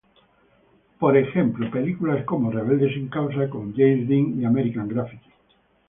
Por ejemplo, películas como "Rebelde sin causa", con James Dean, y "American Graffiti".